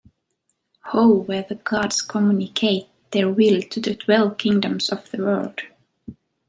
Hou where the Gods communicate their will to the Twelve Kingdoms of the world.